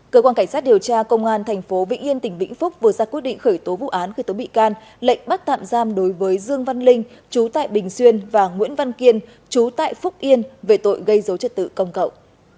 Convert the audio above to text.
cơ quan cảnh sát điều tra công an tp vĩnh yên tỉnh vĩnh phúc vừa ra quyết định khởi tố vụ án khởi tố bị can lệnh bắt tạm giam đối với dương văn linh chú tại bình xuyên và nguyễn văn kiên chú tại phúc yên về tội gây dối trật tự công cậu